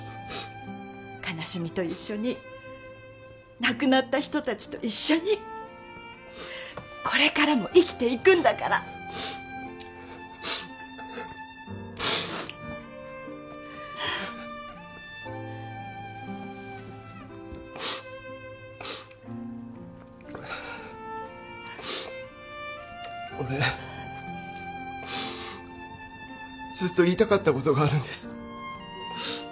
悲しみと一緒に亡くなった人達と一緒にこれからも生きていくんだから俺ずっと言いたかったことがあるんです